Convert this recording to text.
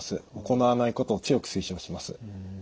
行わないことを強く推奨します。